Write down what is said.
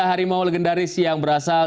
harimau legendaris yang berasal